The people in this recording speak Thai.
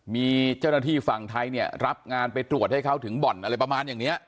มีเจ้าหน้าที่ฝั่งไทยเนี่ยรับงานไปตรวจให้เขาถึงบ่อนอะไรประมาณอย่างนี้